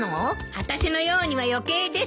あたしのようには余計です！